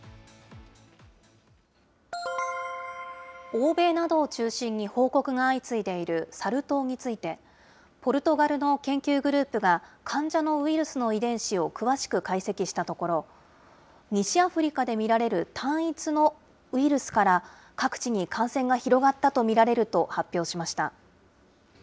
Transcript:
欧米などを中心に報告が相次いでいるサル痘について、ポルトガルの研究グループが、患者のウイルスの遺伝子を詳しく解析したところ、西アフリカで見られる単一のウイルスから各地に感染が広がったと見られると発表しました。